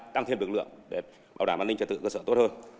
tăng thêm lực lượng để bảo đảm an ninh trật tự cơ sở tốt hơn